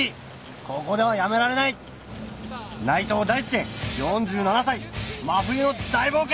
ここではやめられない内藤大助４７歳真冬の大冒険！